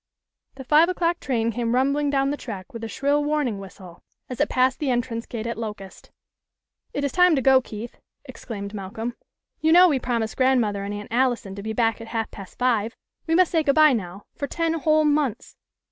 The five o'clock train came rumbling down the track with a shrill warning whistle, as it passed the entrance gate at Locust. "It is time to go, Keith," exclaimed Malcolm. "You know we promised grandmother and Aunt Allison to be back at half past five. We must say good bye now, for ten whole months."